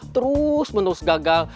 terus menerus gagal